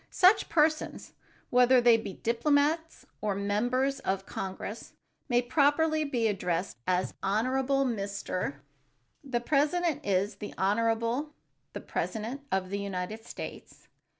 Such persons, whether they be diplomats or members of Congress, may properly be addressed as "Honorable Mr. ——." The president is "The Honorable, the President of the United States."